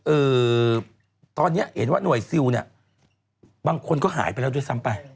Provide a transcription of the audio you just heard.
เอ่อตอนนี้เห็นว่าหน่วยซิลเนี่ยบางคนก็หายไปแล้วด้วยซ้ำไป